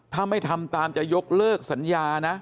ถ้าไม่ทำตามจะยกเลิกสัญญานะ